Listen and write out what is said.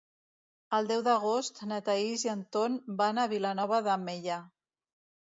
El deu d'agost na Thaís i en Ton van a Vilanova de Meià.